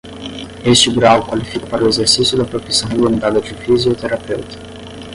Este grau qualifica para o exercício da profissão regulamentada de fisioterapeuta.